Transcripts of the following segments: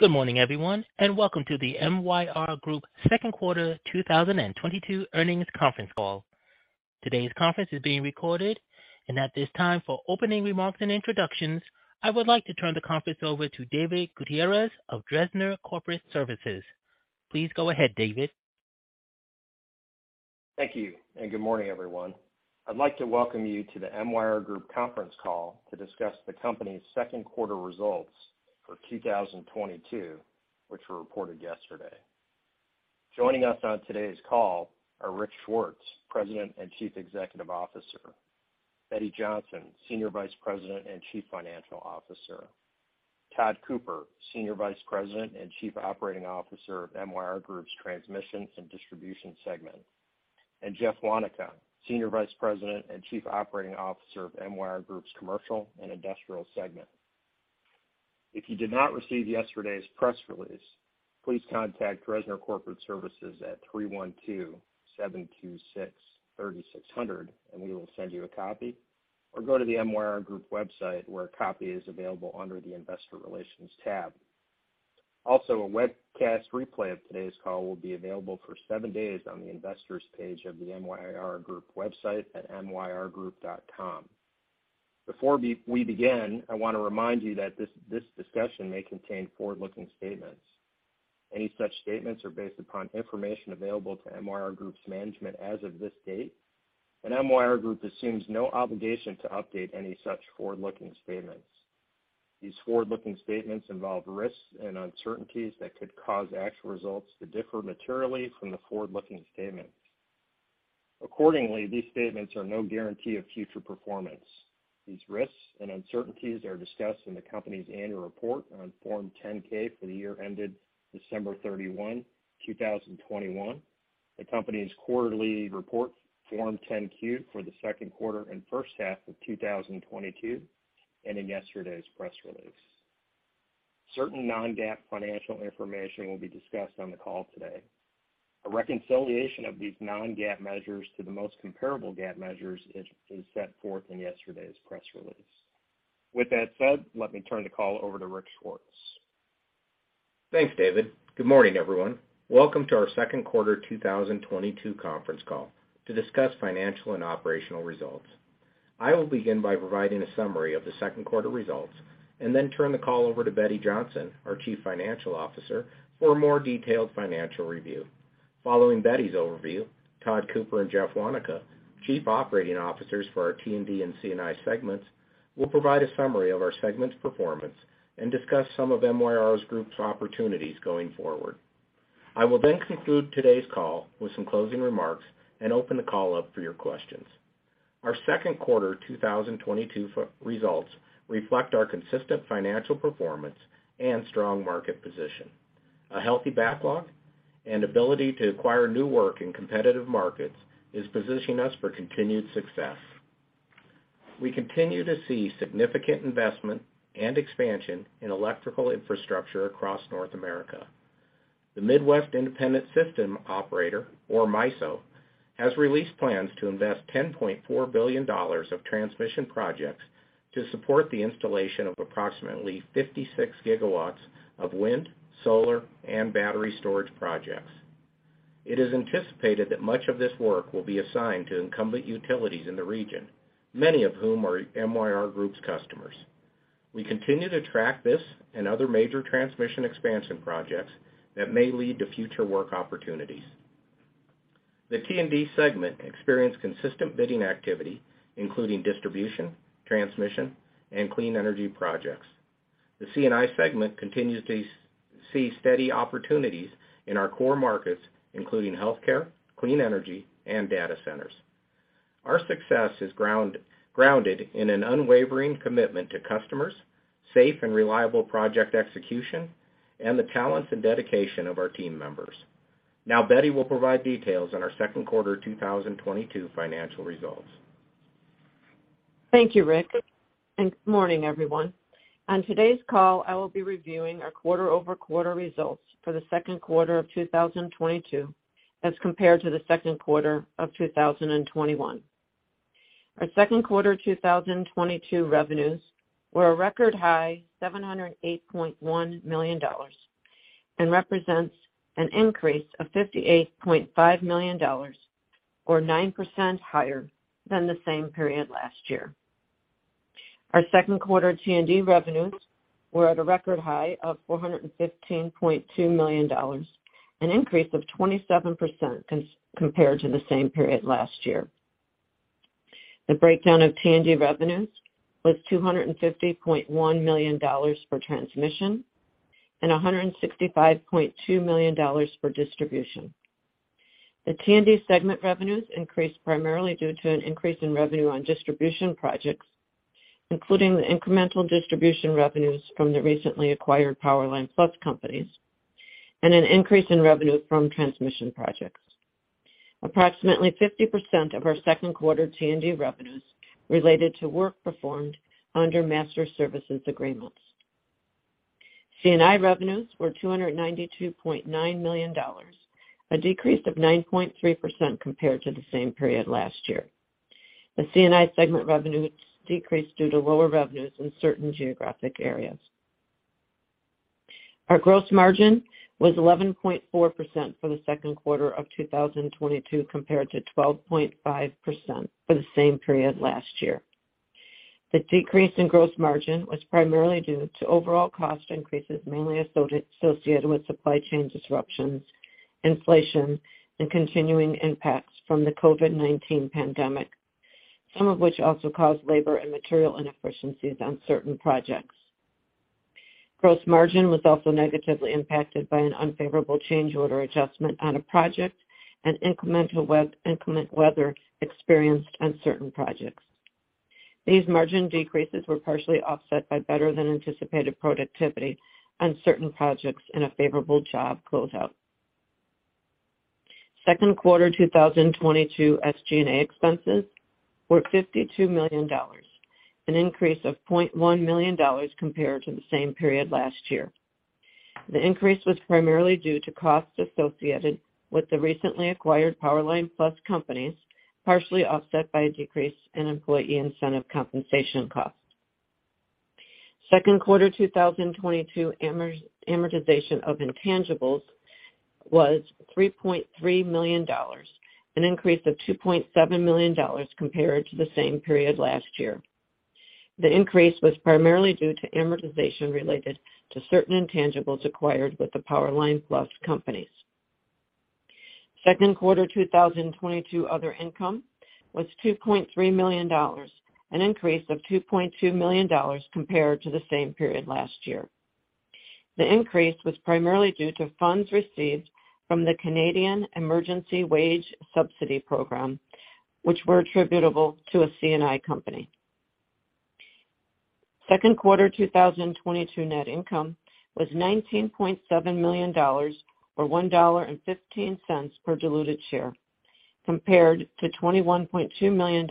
Good morning, everyone, and welcome to the MYR Group second quarter 2022 earnings conference call. Today's conference is being recorded. At this time, for opening remarks and introductions, I would like to turn the conference over to David Gutierrez of Dresner Corporate Services. Please go ahead, David. Thank you, and good morning, everyone. I'd like to welcome you to the MYR Group conference call to discuss the company's second quarter results for 2022, which were reported yesterday. Joining us on today's call are Rich Swartz, President and Chief Executive Officer, Betty Johnson, Senior Vice President and Chief Financial Officer, Tod Cooper, Senior Vice President and Chief Operating Officer of MYR Group's Transmission and Distribution segment, and Jeff Waneka, Senior Vice President and Chief Operating Officer of MYR Group's Commercial and Industrial segment. If you did not receive yesterday's press release, please contact Dresner Corporate Services at 312-726-3600, and we will send you a copy, or go to the MYR Group website, where a copy is available under the Investor Relations tab. Also, a webcast replay of today's call will be available for seven days on the Investors page of the MYR Group website at myrgroup.com. Before we begin, I want to remind you that this discussion may contain forward-looking statements. Any such statements are based upon information available to MYR Group's management as of this date, and MYR Group assumes no obligation to update any such forward-looking statements. These forward-looking statements involve risks and uncertainties that could cause actual results to differ materially from the forward-looking statements. Accordingly, these statements are no guarantee of future performance. These risks and uncertainties are discussed in the company's annual report on Form 10-K for the year ended December 31, 2021, the company's quarterly report Form 10-Q for the second quarter and first half of 2022, and in yesterday's press release. Certain non-GAAP financial information will be discussed on the call today. A reconciliation of these non-GAAP measures to the most comparable GAAP measures is set forth in yesterday's press release. With that said, let me turn the call over to Rich Swartz. Thanks, David. Good morning, everyone. Welcome to our second quarter 2022 conference call to discuss financial and operational results. I will begin by providing a summary of the second quarter results and then turn the call over to Betty Johnson, our Chief Financial Officer, for a more detailed financial review. Following Betty's overview, Tod Cooper and Jeff Waneka, Chief Operating Officers for our T&D and C&I segments, will provide a summary of our segment's performance and discuss some of MYR Group's opportunities going forward. I will then conclude today's call with some closing remarks and open the call up for your questions. Our second quarter 2022 results reflect our consistent financial performance and strong market position. A healthy backlog and ability to acquire new work in competitive markets is positioning us for continued success. We continue to see significant investment and expansion in electrical infrastructure across North America. The Midcontinent Independent System Operator, or MISO, has released plans to invest $10.4 billion of transmission projects to support the installation of approximately 56 GW of wind, solar, and battery storage projects. It is anticipated that much of this work will be assigned to incumbent utilities in the region, many of whom are MYR Group's customers. We continue to track this and other major transmission expansion projects that may lead to future work opportunities. The T&D segment experienced consistent bidding activity, including distribution, transmission, and clean energy projects. The C&I segment continues to see steady opportunities in our core markets, including healthcare, clean energy, and data centers. Our success is grounded in an unwavering commitment to customers, safe and reliable project execution, and the talents and dedication of our team members. Now Betty will provide details on our second quarter 2022 financial results. Thank you, Rick, and good morning, everyone. On today's call, I will be reviewing our quarter-over-quarter results for the second quarter of 2022 as compared to the second quarter of 2021. Our second quarter 2022 revenues were a record high $708.1 million and represents an increase of $58.5 million or 9% higher than the same period last year. Our second quarter T&D revenues were at a record high of $415.2 million, an increase of 27% compared to the same period last year. The breakdown of T&D revenues was $250.1 million for transmission and $165.2 million for distribution. The T&D segment revenues increased primarily due to an increase in revenue on distribution projects, including the incremental distribution revenues from the recently acquired Powerline Plus companies and an increase in revenue from transmission projects. Approximately 50% of our second quarter T&D revenues related to work performed under master services agreements. C&I revenues were $292.9 million, a decrease of 9.3% compared to the same period last year. The C&I segment revenue decreased due to lower revenues in certain geographic areas. Our gross margin was 11.4% for the second quarter of 2022, compared to 12.5% for the same period last year. The decrease in gross margin was primarily due to overall cost increases, mainly associated with supply chain disruptions, inflation, and continuing impacts from the COVID-19 pandemic, some of which also caused labor and material inefficiencies on certain projects. Gross margin was also negatively impacted by an unfavorable change order adjustment on a project and inclement weather experienced on certain projects. These margin decreases were partially offset by better than anticipated productivity on certain projects in a favorable job closeout. Second quarter 2022 SG&A expenses were $52 million, an increase of $0.1 million compared to the same period last year. The increase was primarily due to costs associated with the recently acquired Powerline Plus Companies, partially offset by a decrease in employee incentive compensation costs. Second quarter 2022 amortization of intangibles was $3.3 million, an increase of $2.7 million compared to the same period last year. The increase was primarily due to amortization related to certain intangibles acquired with the Powerline Plus Companies. Second quarter 2022 other income was $2.3 million, an increase of $2.2 million compared to the same period last year. The increase was primarily due to funds received from the Canada Emergency Wage Subsidy program, which were attributable to a C&I company. Second quarter 2022 net income was $19.7 million, or $1.15 per diluted share, compared to $21.2 million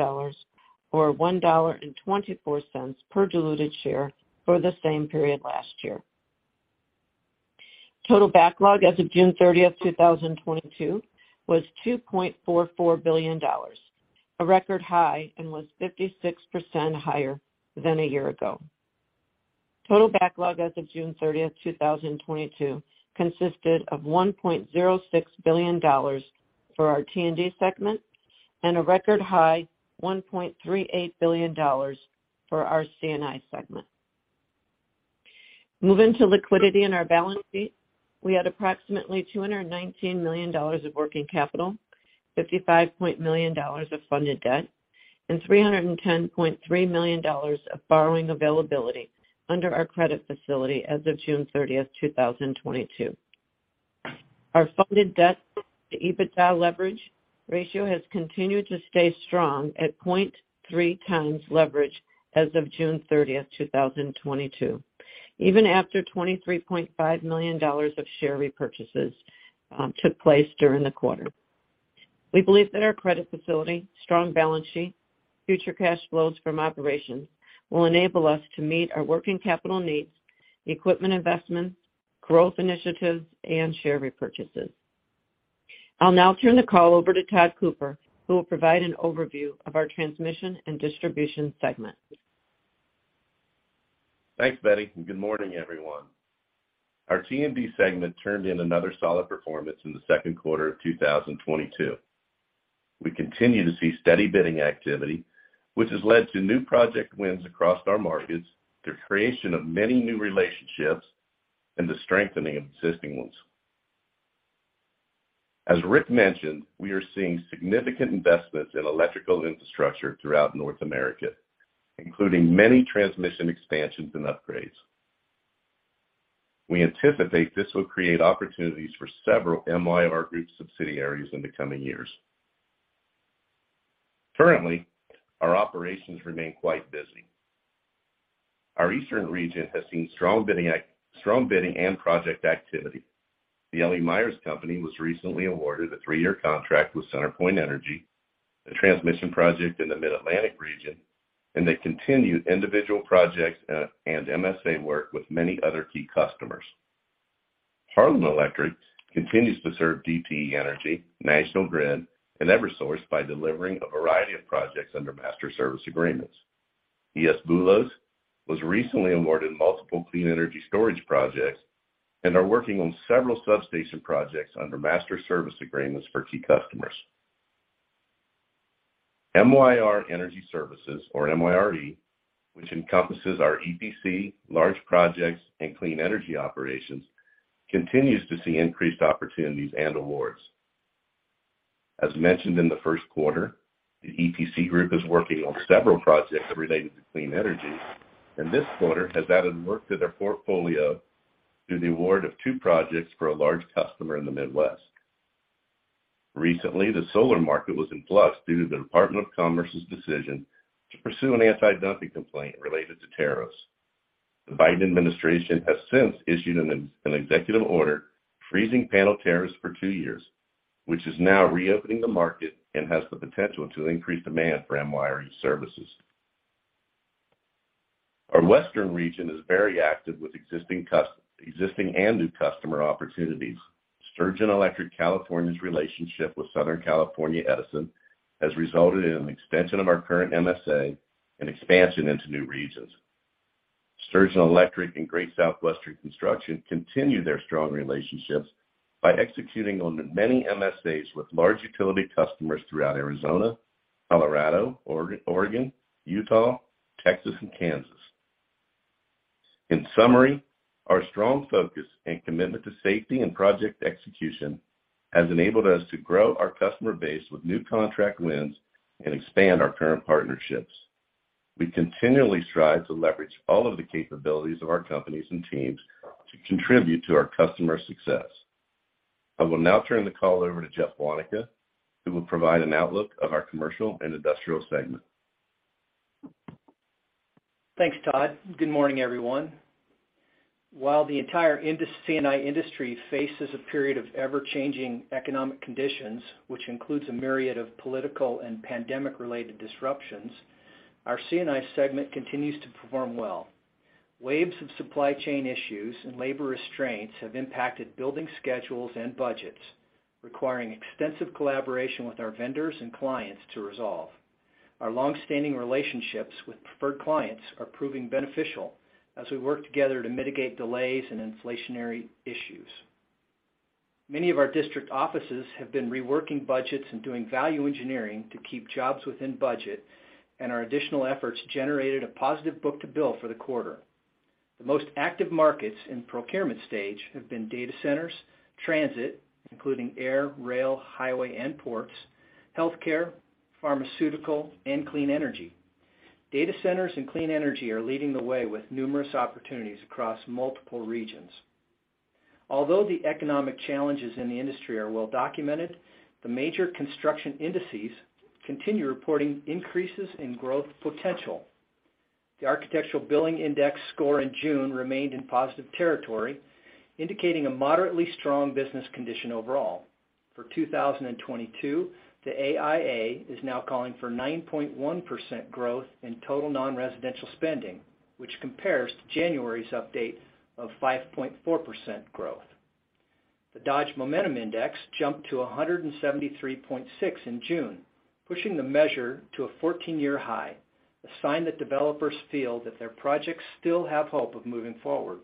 or $1.24 per diluted share for the same period last year. Total backlog as of June 30th, 2022 was $2.44 billion, a record high, and was 56% higher than a year ago. Total backlog as of June 30th, 2022 consisted of $1.06 billion for our T&D segment and a record high $1.38 billion for our C&I segment. Moving to liquidity in our balance sheet. We had approximately $219 million of working capital, $55 million of funded debt, and $310.3 million of borrowing availability under our credit facility as of June 30th, 2022. Our funded debt to EBITDA leverage ratio has continued to stay strong at 0.3x leverage as of June 30th, 2022, even after $23.5 million of share repurchases took place during the quarter. We believe that our credit facility, strong balance sheet, future cash flows from operations will enable us to meet our working capital needs, equipment investments, growth initiatives, and share repurchases. I'll now turn the call over to Tod Cooper, who will provide an overview of our Transmission and Distribution segment. Thanks, Betty, and good morning, everyone. Our T&D segment turned in another solid performance in the second quarter of 2022. We continue to see steady bidding activity, which has led to new project wins across our markets through creation of many new relationships and the strengthening of existing ones. As Rick mentioned, we are seeing significant investments in electrical infrastructure throughout North America, including many transmission expansions and upgrades. We anticipate this will create opportunities for several MYR Group subsidiaries in the coming years. Currently, our operations remain quite busy. Our Eastern region has seen strong bidding and project activity. The L.E. Myers Co was recently awarded a three-year contract with CenterPoint Energy, a transmission project in the Mid-Atlantic region, and they continue individual projects and MSA work with many other key customers. Harlan Electric continues to serve DTE Energy, National Grid, and Eversource by delivering a variety of projects under master service agreements. E.S. Boulos was recently awarded multiple clean energy storage projects and are working on several substation projects under master service agreements for key customers. MYR Energy Services, or MYRE, which encompasses our EPC, large projects, and clean energy operations, continues to see increased opportunities and awards. As mentioned in the first quarter, the EPC group is working on several projects related to clean energy, and this quarter has added work to their portfolio through the award of two projects for a large customer in the Midwest. Recently, the solar market was in flux due to the Department of Commerce's decision to pursue an antidumping complaint related to tariffs. The Biden administration has since issued an executive order freezing panel tariffs for two years, which is now reopening the market and has the potential to increase demand for MYRE services. Our Western region is very active with existing and new customer opportunities. Sturgeon Electric California's relationship with Southern California Edison has resulted in an extension of our current MSA and expansion into new regions. Sturgeon Electric and Great Southwestern Construction continue their strong relationships by executing on many MSAs with large utility customers throughout Arizona, Colorado, Oregon, Utah, Texas, and Kansas. In summary, our strong focus and commitment to safety and project execution has enabled us to grow our customer base with new contract wins and expand our current partnerships. We continually strive to leverage all of the capabilities of our companies and teams to contribute to our customer success. I will now turn the call over to Jeff Waneka, who will provide an outlook of our commercial and industrial segment. Thanks, Tod. Good morning, everyone. While the entire C&I industry faces a period of ever-changing economic conditions, which includes a myriad of political and pandemic-related disruptions, our C&I segment continues to perform well. Waves of supply chain issues and labor restraints have impacted building schedules and budgets, requiring extensive collaboration with our vendors and clients to resolve. Our long-standing relationships with preferred clients are proving beneficial as we work together to mitigate delays and inflationary issues. Many of our district offices have been reworking budgets and doing value engineering to keep jobs within budget, and our additional efforts generated a positive book-to-bill for the quarter. The most active markets in procurement stage have been data centers, transit, including air, rail, highway, and ports, healthcare, pharmaceutical, and clean energy. Data centers and clean energy are leading the way with numerous opportunities across multiple regions. Although the economic challenges in the industry are well documented, the major construction indices continue reporting increases in growth potential. The Architecture Billings Index score in June remained in positive territory, indicating a moderately strong business condition overall. For 2022, the AIA is now calling for 9.1% growth in total non-residential spending, which compares to January's update of 5.4% growth. The Dodge Momentum Index jumped to 173.6 in June, pushing the measure to a 14-year high, a sign that developers feel that their projects still have hope of moving forward.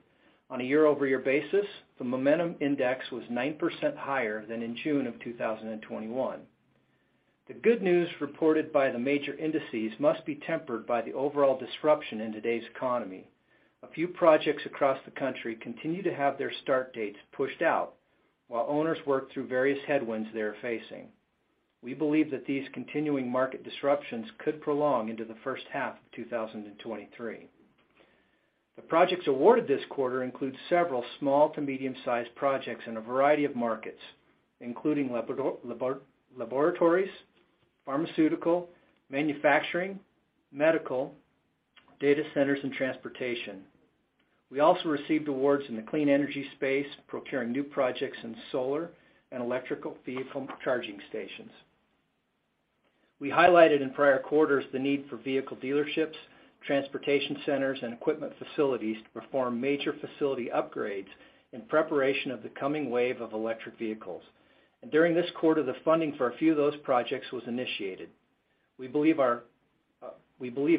On a year-over-year basis, the Momentum Index was 9% higher than in June of 2021. The good news reported by the major indices must be tempered by the overall disruption in today's economy. A few projects across the country continue to have their start dates pushed out while owners work through various headwinds they are facing. We believe that these continuing market disruptions could prolong into the first half of 2023. The projects awarded this quarter include several small to medium-sized projects in a variety of markets, including laboratories, pharmaceutical, manufacturing, medical, data centers, and transportation. We also received awards in the clean energy space, procuring new projects in solar and electric vehicle charging stations. We highlighted in prior quarters the need for vehicle dealerships, transportation centers, and equipment facilities to perform major facility upgrades in preparation of the coming wave of electric vehicles. During this quarter, the funding for a few of those projects was initiated. We believe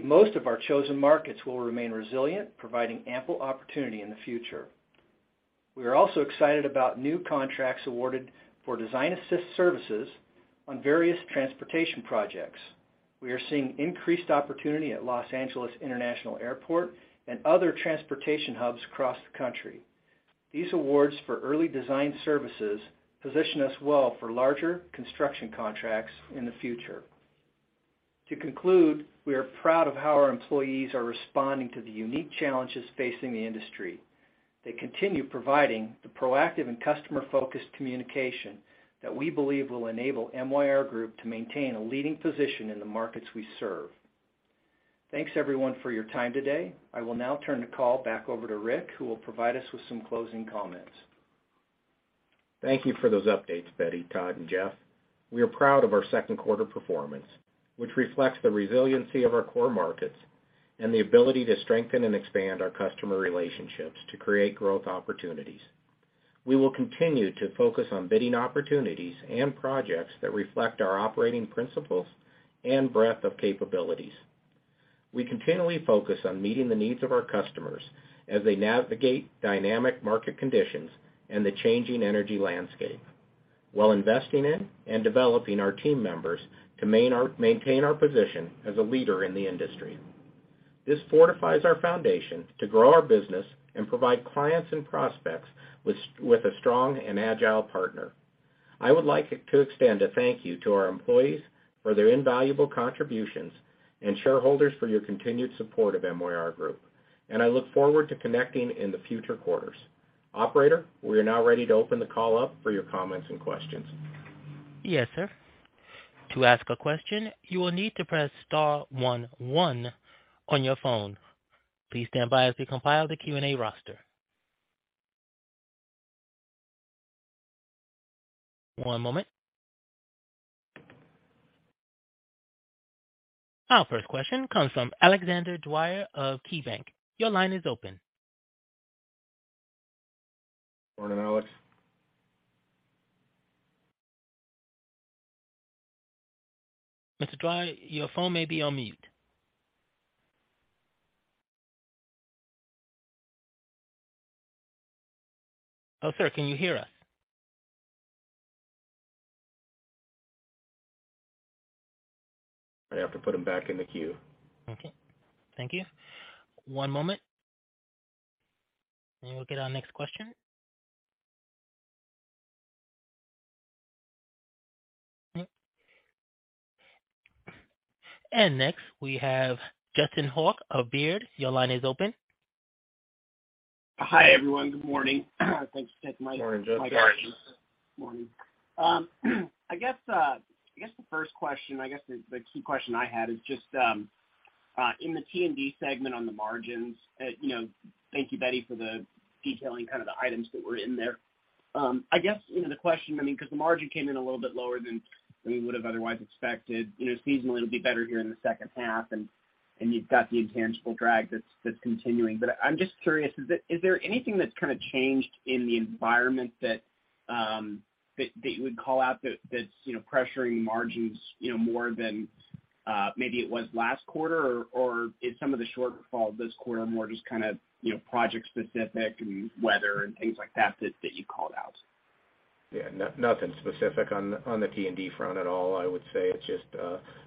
most of our chosen markets will remain resilient, providing ample opportunity in the future. We are also excited about new contracts awarded for design assist services on various transportation projects. We are seeing increased opportunity at Los Angeles International Airport and other transportation hubs across the country. These awards for early design services position us well for larger construction contracts in the future. To conclude, we are proud of how our employees are responding to the unique challenges facing the industry. They continue providing the proactive and customer-focused communication that we believe will enable MYR Group to maintain a leading position in the markets we serve. Thanks, everyone, for your time today. I will now turn the call back over to Rick, who will provide us with some closing comments. Thank you for those updates, Betty, Tod, and Jeff. We are proud of our second quarter performance, which reflects the resiliency of our core markets and the ability to strengthen and expand our customer relationships to create growth opportunities. We will continue to focus on bidding opportunities and projects that reflect our operating principles and breadth of capabilities. We continually focus on meeting the needs of our customers as they navigate dynamic market conditions and the changing energy landscape while investing in and developing our team members to maintain our position as a leader in the industry. This fortifies our foundation to grow our business and provide clients and prospects with a strong and agile partner. I would like to extend a thank you to our employees for their invaluable contributions and shareholders for your continued support of MYR Group. I look forward to connecting in the future quarters. Operator, we are now ready to open the call up for your comments and questions. Yes, sir. To ask a question, you will need to press star one one on your phone. Please stand by as we compile the Q&A roster. One moment. Our first question comes from Alexander Dwyer of KeyBanc. Your line is open. Morning, Alex. Mr. Dwyer, your phone may be on mute. Oh, sir, can you hear us? I have to put him back in the queue. Okay. Thank you. One moment. We'll get our next question. Next, we have Justin Hauke of Baird. Your line is open. Hi, everyone. Good morning. Thanks, Justin Hauke. Morning, Justin. Morning. I guess the key question I had is just in the T&D segment on the margins, you know, thank you, Betty, for detailing the items that were in there. You know, the question, I mean, because the margin came in a little bit lower than we would have otherwise expected, you know, seasonally it'll be better here in the second half and you've got the intangible drag that's continuing. But I'm just curious, is there anything that's kind of changed in the environment that you would call out that's, you know, pressuring margins, you know, more than maybe it was last quarter? Is some of the shortfall this quarter more just kinda, you know, project-specific and weather and things like that you called out? Yeah. Nothing specific on the T&D front at all. I would say it's just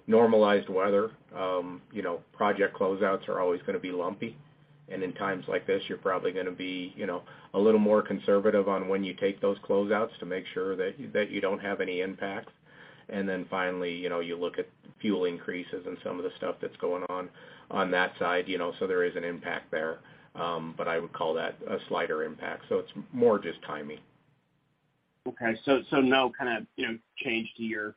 normalized weather. You know, project closeouts are always gonna be lumpy. In times like this, you're probably gonna be, you know, a little more conservative on when you take those closeouts to make sure that you don't have any impact. Then finally, you know, you look at fuel increases and some of the stuff that's going on that side, you know, so there is an impact there. But I would call that a slight impact. It's more just timing. Okay. No kind of change to your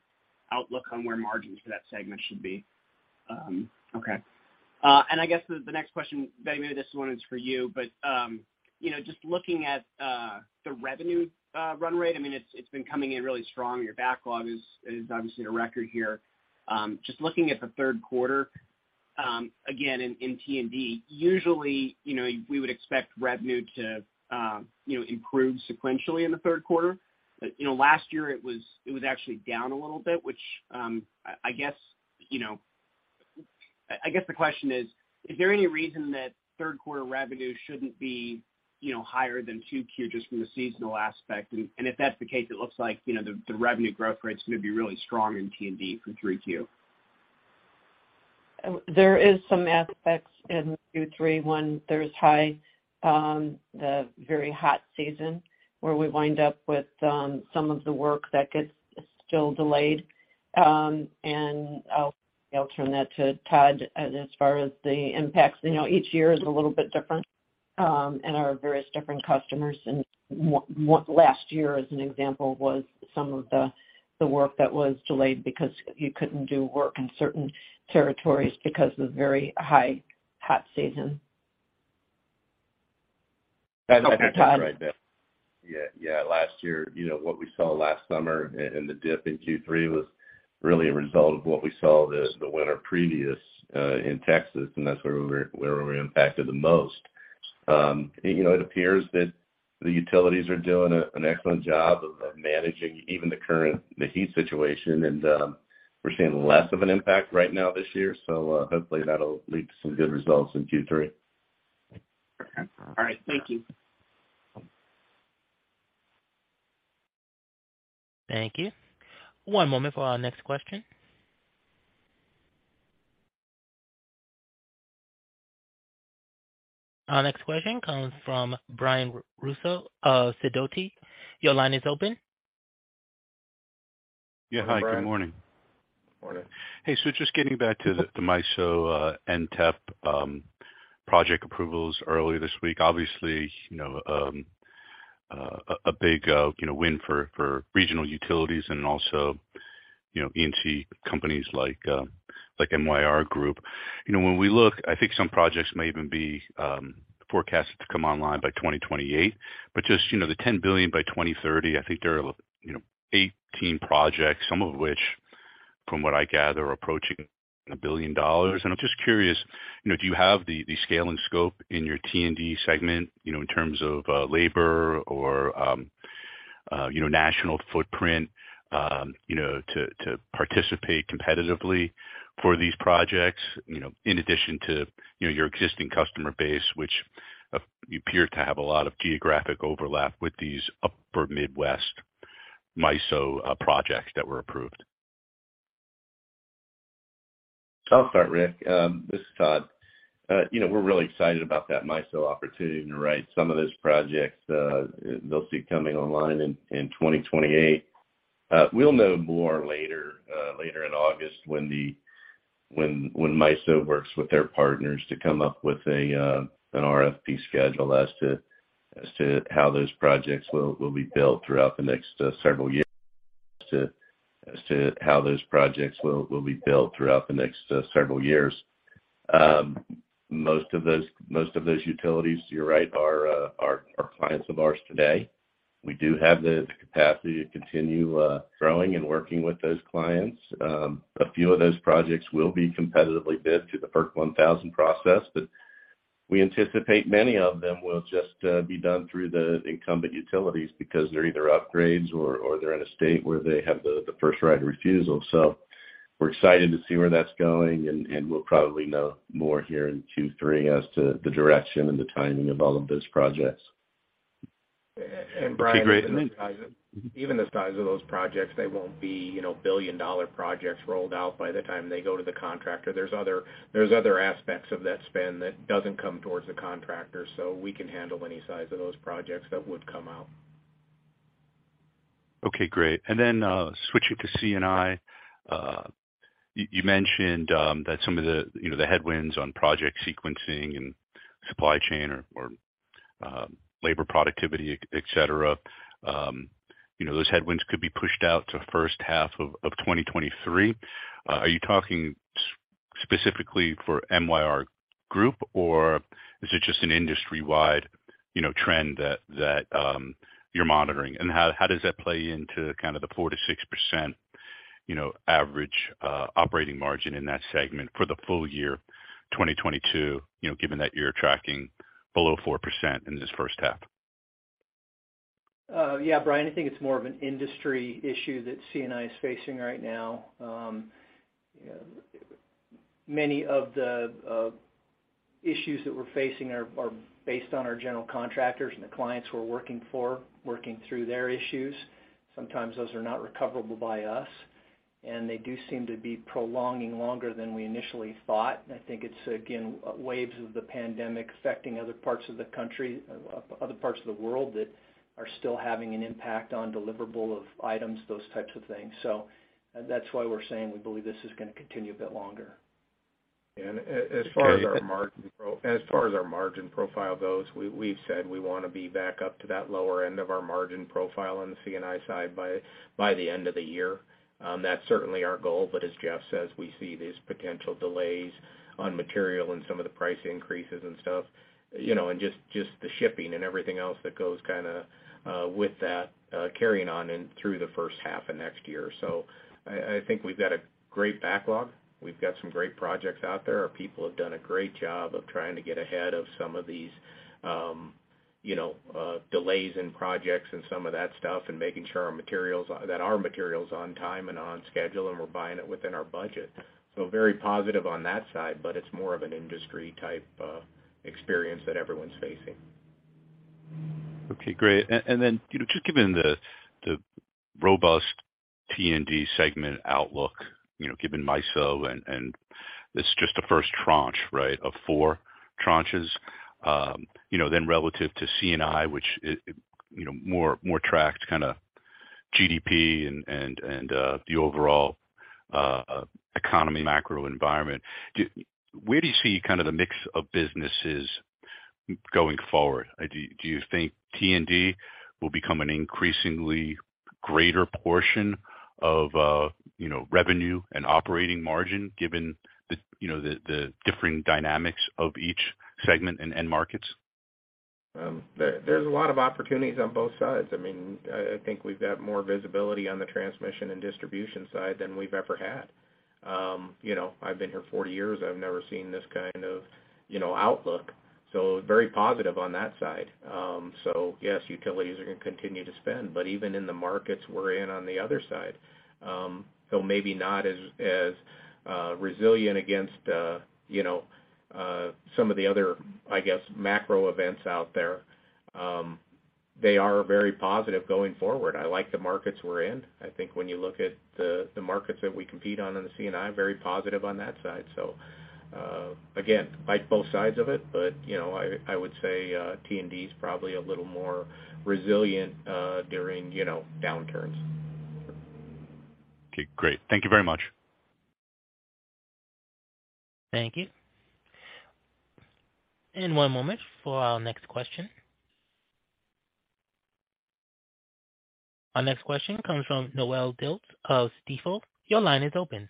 outlook on where margins for that segment should be? Okay. I guess the next question, Betty, maybe this one is for you. You know, just looking at the revenue run rate, I mean, it's been coming in really strong. Your backlog is obviously a record here. Just looking at the third quarter, again, in T&D, usually, you know, we would expect revenue to improve sequentially in the third quarter. You know, last year it was actually down a little bit, which I guess, you know. I guess the question is: Is there any reason that third quarter revenue shouldn't be higher than 2Q, just from the seasonal aspect? If that's the case, it looks like, you know, the revenue growth rate is gonna be really strong in T&D for 3Q. There is some aspects in Q3 when there's high, the very hot season where we wind up with some of the work that gets still delayed. I'll turn that to Tod as far as the impacts. You know, each year is a little bit different and our various different customers. Last year, as an example, was some of the work that was delayed because you couldn't do work in certain territories because of very high hot season. Okay. That's right, Bett. Yeah, yeah. Last year, you know, what we saw last summer and the dip in Q3 was really a result of what we saw the winter previous in Texas, and that's where we were impacted the most. You know, it appears that the utilities are doing an excellent job of managing even the current heat situation. We're seeing less of an impact right now this year. Hopefully that'll lead to some good results in Q3. Okay. All right. Thank you. Thank you. One moment for our next question. Our next question comes from Brian Russo of Sidoti. Your line is open. Yeah. Hi, good morning. Morning. Hey, just getting back to the MISO MTEP project approvals earlier this week. Obviously, you know, a big win for regional utilities and also, you know, ENG companies like MYR Group. You know, when we look, I think some projects may even be forecasted to come online by 2028. Just, you know, the $10 billion by 2030, I think there are, you know, 18 projects, some of which from what I gather are approaching $1 billion. I'm just curious, you know, do you have the scale and scope in your T&D segment, you know, in terms of labor or, you know, national footprint, you know, to participate competitively for these projects, you know, in addition to, you know, your existing customer base, which you appear to have a lot of geographic overlap with these upper Midwest MISO projects that were approved? I'll start, Rick. This is Tod. You know, we're really excited about that MISO opportunity. You're right, some of those projects, they'll be coming online in 2028. We'll know more later in August when MISO works with their partners to come up with an RFP schedule as to how those projects will be built throughout the next several years. Most of those utilities, you're right, are clients of ours today. We do have the capacity to continue growing and working with those clients. A few of those projects will be competitively bid through the FERC 1000 process, but we anticipate many of them will just be done through the incumbent utilities because they're either upgrades or they're in a state where they have the first right of refusal. We're excited to see where that's going, and we'll probably know more here in Q3 as to the direction and the timing of all of those projects. And Brian— That'd be great. Even the size of those projects, they won't be, you know, billion-dollar projects rolled out by the time they go to the contractor. There's other aspects of that spend that doesn't come towards the contractor. We can handle any size of those projects that would come out. Okay, great. Switching to C&I. You mentioned that some of the, you know, the headwinds on project sequencing and supply chain or labor productivity, et cetera, you know, those headwinds could be pushed out to first half of 2023. Are you talking specifically for MYR Group, or is it just an industry-wide, you know, trend that you're monitoring? How does that play into kind of the 4%-6%, you know, average operating margin in that segment for the full year 2022, you know, given that you're tracking below 4% in this first half? Yeah, Brian, I think it's more of an industry issue that C&I is facing right now. Many of the issues that we're facing are based on our general contractors and the clients we're working for, working through their issues. Sometimes those are not recoverable by us, and they do seem to be prolonging longer than we initially thought. I think it's again, waves of the pandemic affecting other parts of the country, other parts of the world that are still having an impact on delivery of items, those types of things. That's why we're saying we believe this is gonna continue a bit longer. As far as our margin profile goes, we've said we wanna be back up to that lower end of our margin profile on the C&I side by the end of the year. That's certainly our goal, but as Jeff says, we see these potential delays on material and some of the price increases and stuff, you know, and just the shipping and everything else that goes kinda with that, carrying on into the first half of next year. I think we've got a great backlog. We've got some great projects out there. Our people have done a great job of trying to get ahead of some of these, you know, delays in projects and some of that stuff, and making sure our materials. that our material is on time and on schedule, and we're buying it within our budget. Very positive on that side, but it's more of an industry type, experience that everyone's facing. Okay, great. You know, just given the robust T&D segment outlook, you know, given MISO, and it's just the first tranche, right, of four tranches. You know, relative to C&I, which is, you know, more tracked kind of GDP and the overall macroeconomic environment. Where do you see kind of the mix of businesses going forward? Do you think T&D will become an increasingly greater portion of you know, revenue and operating margin given the you know, the differing dynamics of each segment and end markets? There's a lot of opportunities on both sides. I mean, I think we've got more visibility on the transmission and distribution side than we've ever had. You know, I've been here 40 years, I've never seen this kind of outlook, so very positive on that side. Yes, utilities are gonna continue to spend. Even in the markets we're in on the other side, though maybe not as resilient against you know, some of the other macro events out there, they are very positive going forward. I like the markets we're in. I think when you look at the markets that we compete on the C&I, very positive on that side. Again, like both sides of it, but, you know, I would say T&D is probably a little more resilient during, you know, downturns. Okay, great. Thank you very much. Thank you. One moment for our next question. Our next question comes from Noelle Dilts of Stifel. Your line is open.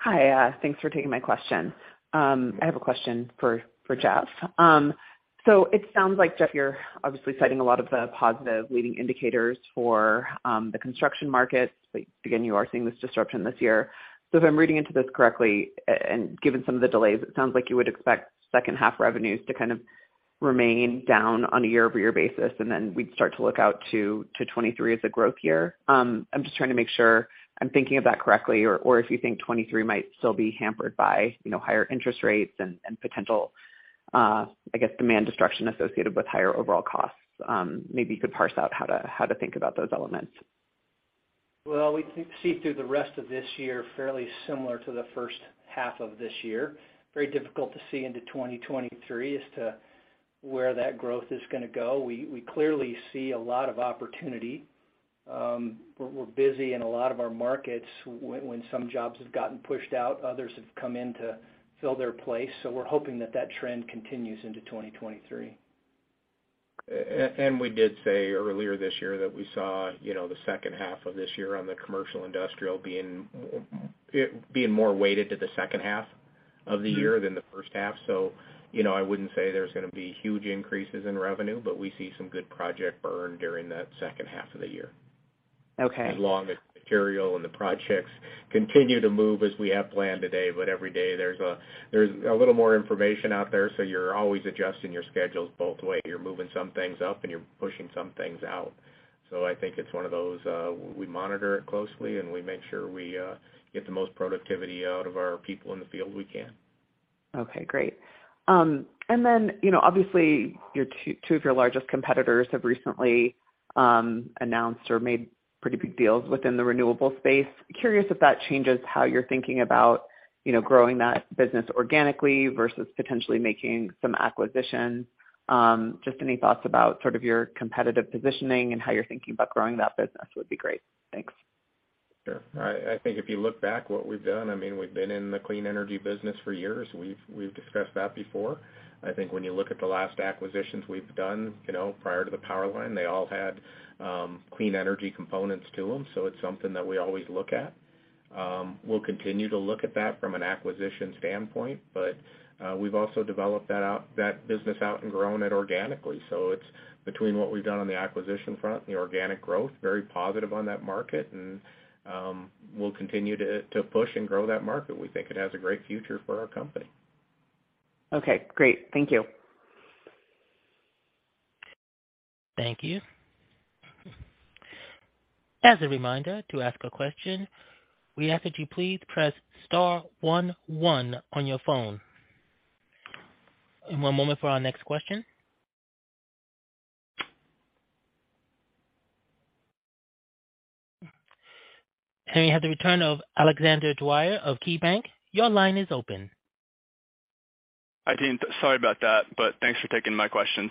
Hi. Thanks for taking my question. I have a question for Jeff. So it sounds like, Jeff, you're obviously citing a lot of the positive leading indicators for the construction markets. But again, you are seeing this disruption this year. If I'm reading into this correctly, and given some of the delays, it sounds like you would expect second half revenues to kind of remain down on a year-over-year basis, and then we'd start to look out to 2023 as a growth year. I'm just trying to make sure I'm thinking of that correctly, or if you think 2023 might still be hampered by, you know, higher interest rates and potential, I guess, demand destruction associated with higher overall costs. Maybe you could parse out how to think about those elements. Well, we see through the rest of this year fairly similar to the first half of this year. Very difficult to see into 2023 as to where that growth is gonna go. We clearly see a lot of opportunity. We're busy in a lot of our markets. When some jobs have gotten pushed out, others have come in to fill their place. We're hoping that trend continues into 2023. We did say earlier this year that we saw, you know, the second half of this year on the commercial and industrial being more weighted to the second half of the year than the first half. You know, I wouldn't say there's gonna be huge increases in revenue, but we see some good project burn during that second half of the year. Okay. As long as material and the projects continue to move as we have planned today. Every day, there's a little more information out there, so you're always adjusting your schedules both ways. You're moving some things up and you're pushing some things out. I think it's one of those, we monitor it closely, and we make sure we get the most productivity out of our people in the field we can. Okay, great. You know, obviously, two of your largest competitors have recently announced or made pretty big deals within the renewable space. Curious if that changes how you're thinking about, you know, growing that business organically versus potentially making some acquisitions. Just any thoughts about sort of your competitive positioning and how you're thinking about growing that business would be great. Thanks. Sure. I think if you look back what we've done, I mean, we've been in the clean energy business for years. We've discussed that before. I think when you look at the last acquisitions we've done, you know, prior to the Powerline, they all had clean energy components to them, so it's something that we always look at. We'll continue to look at that from an acquisition standpoint, but we've also developed that business out and grown it organically. So it's between what we've done on the acquisition front and the organic growth, very positive on that market. We'll continue to push and grow that market. We think it has a great future for our company. Okay, great. Thank you. Thank you. As a reminder, to ask a question, we ask that you please press star one one on your phone. One moment for our next question. We have the return of Alexander Dwyer of KeyBanc. Your line is open. Hi, team. Sorry about that, but thanks for taking my questions.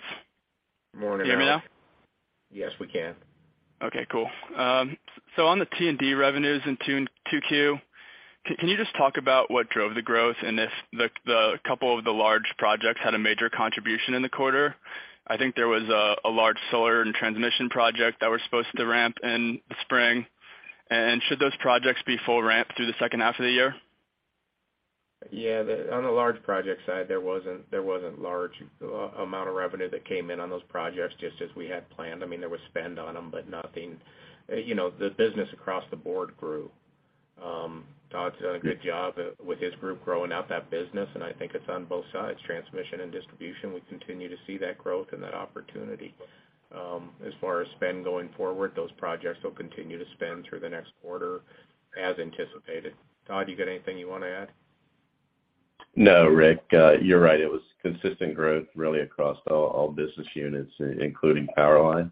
Morning, Alex. Can you hear me now? Yes, we can. Okay, cool. So on the T&D revenues in Q2, can you just talk about what drove the growth and if the couple of the large projects had a major contribution in the quarter? I think there was a large solar and transmission project that was supposed to ramp in the spring. Should those projects be full ramp through the second half of the year? Yeah, on the large project side, there wasn't large amount of revenue that came in on those projects just as we had planned. I mean, there was spend on them, but nothing. You know, the business across the board grew. Tod's done a good job with his group growing out that business, and I think it's on both sides, transmission and distribution. We continue to see that growth and that opportunity. As far as spend going forward, those projects will continue to spend through the next quarter as anticipated. Tod, you got anything you wanna add? No, Rick, you're right. It was consistent growth really across all business units, including Powerline.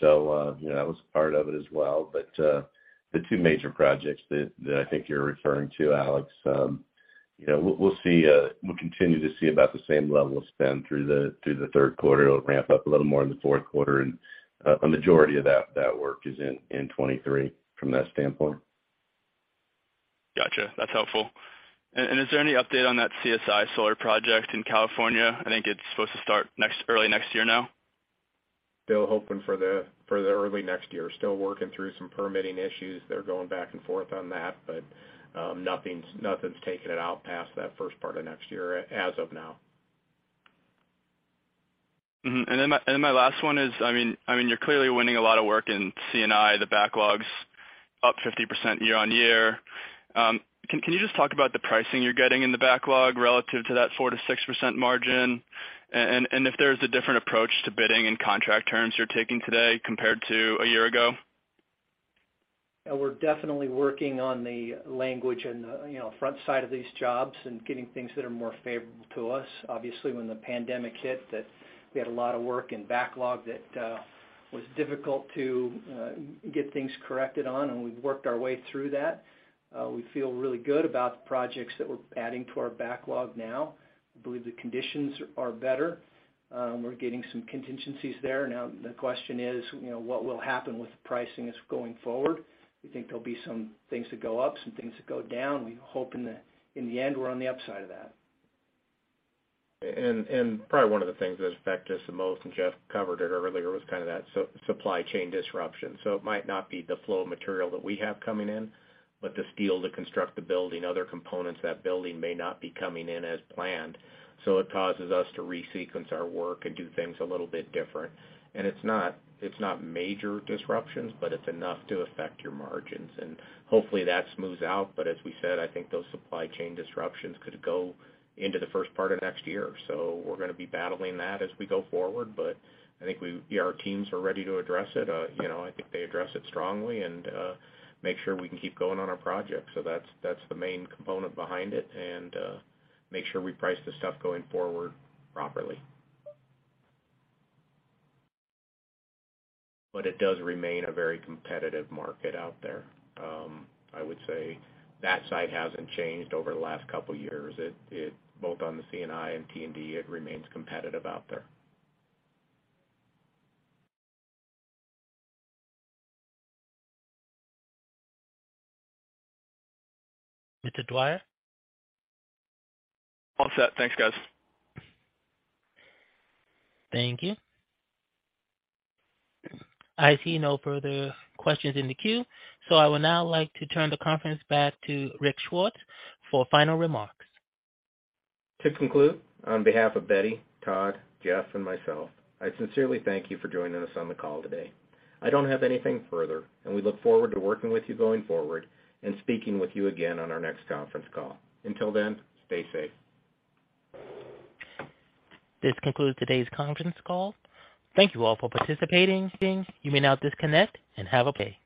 You know, that was part of it as well. The two major projects that I think you're referring to, Alex, you know, we'll continue to see about the same level of spend through the third quarter. It'll ramp up a little more in the fourth quarter, and a majority of that work is in 2023 from that standpoint. Gotcha. That's helpful. Is there any update on that CSI Solar project in California? I think it's supposed to start early next year now. Still hoping for the early next year. Still working through some permitting issues. They're going back and forth on that. Nothing's taken it out past that first part of next year as of now. Mm-hmm. My last one is, I mean, you're clearly winning a lot of work in C&I. The backlog's up 50% year-over-year. Can you just talk about the pricing you're getting in the backlog relative to that 4%-6% margin? And if there's a different approach to bidding and contract terms you're taking today compared to a year ago? Yeah. We're definitely working on the language and the, you know, front side of these jobs and getting things that are more favorable to us. Obviously, when the pandemic hit that we had a lot of work and backlog that was difficult to get things corrected on, and we've worked our way through that. We feel really good about the projects that we're adding to our backlog now. We believe the conditions are better. We're getting some contingencies there. Now, the question is, you know, what will happen with the pricing is going forward. We think there'll be some things that go up, some things that go down. We hope in the end, we're on the upside of that. Probably one of the things that affected us the most, and Jeff covered it earlier, was kind of that supply chain disruption. It might not be the flow of material that we have coming in, but the steel to construct the building, other components of that building may not be coming in as planned. It causes us to resequence our work and do things a little bit different. It's not major disruptions, but it's enough to affect your margins. Hopefully, that smooths out. As we said, I think those supply chain disruptions could go into the first part of next year. We're gonna be battling that as we go forward. I think our teams are ready to address it. You know, I think they address it strongly and make sure we can keep going on our projects. That's the main component behind it and make sure we price the stuff going forward properly. It does remain a very competitive market out there. I would say that side hasn't changed over the last couple years. Both on the C&I and T&D, it remains competitive out there. Mr. Dwyer? All set. Thanks, guys. Thank you. I see no further questions in the queue, so I would now like to turn the conference back to Rich Swartz for final remarks. To conclude, on behalf of Betty, Tod, Jeff, and myself, I sincerely thank you for joining us on the call today. I don't have anything further, and we look forward to working with you going forward and speaking with you again on our next conference call. Until then, stay safe. This concludes today's conference call. Thank you all for participating. You may now disconnect and have a day.